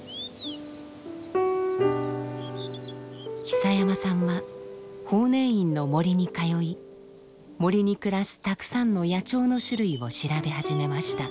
久山さんは法然院の森に通い森に暮らすたくさんの野鳥の種類を調べ始めました。